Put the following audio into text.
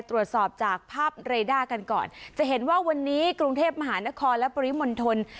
ตรวจสอบจากภาพเรด้ากันก่อนจะเห็นว่าวันนี้กรุงเทพมหานครและปริมณฑล